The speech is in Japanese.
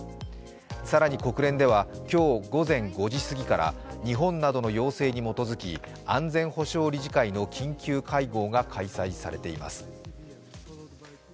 更に国連では、今日午前５時すぎから日本などの要請に基づき安全保障理事会の緊急会合が開催されています。